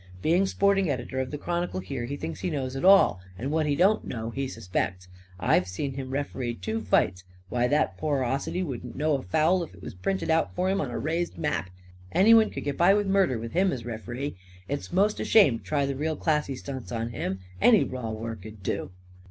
Being sporting ed'tor of the Chronicle here, he thinks he knows it all, and that what he don't know he suspects. I've seen him ref'ree two fights. Why, that poor Ocity wouldn't know a foul if it was printed out for him on a raised map! Anyone could get by with murder, with him as ref'ree. It's 'most a shame to try the real classy stunts on him. Any raw work'd do.